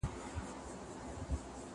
هغې ډېر کلونه په ډېر اخلاص کار کړی و.